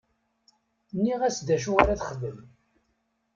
Nniɣ-as d acu ara texdem.